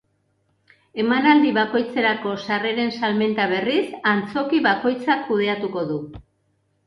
Emanaldi bakoitzerako sarreren salmenta, berriz, antzoki bakoitzak kudeatuko du.